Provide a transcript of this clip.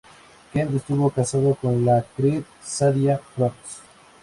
Kemp estuvo casado con la actriz Sadie Frost.